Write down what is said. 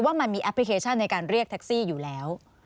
มันมีแอปพลิเคชันในการเรียกแท็กซี่อยู่แล้ว